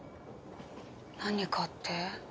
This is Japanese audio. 何かって？